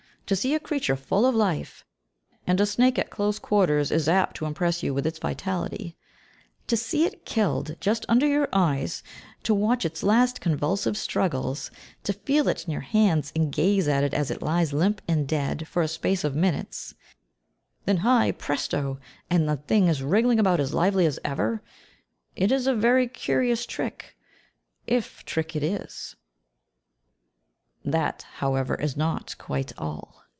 To see a creature, full of life, and a snake, at close quarters, is apt to impress you with its vitality, to see it killed, just under your eyes, to watch its last convulsive struggles, to feel it in your hands, and gaze at it as it lies, limp and dead, for a space of minutes; then heigh, presto! and the thing is wriggling about as lively as ever. It is a very curious trick if trick it is. That, however, is not quite all.